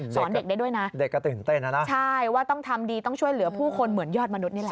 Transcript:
สอนเด็กได้ด้วยนะใช่ว่าต้องทำดีต้องช่วยเหลือผู้คนเหมือนยอดมนุษย์นี่แหละ